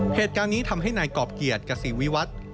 เหตุการณ์นี้ทำให้นายกรอบเกียรติกษีวิวัตร